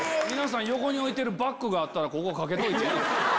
横に置いてるバッグがあったらここかけといていいですよ。